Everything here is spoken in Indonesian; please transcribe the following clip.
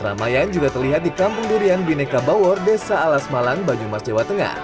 keramaian juga terlihat di kampung durian bineka bawor desa alas malang banyumas jawa tengah